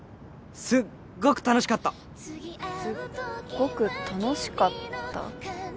すっごく楽しかったすっごく楽しかった？